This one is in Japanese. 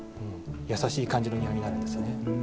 優しい感じの庭になるんですね。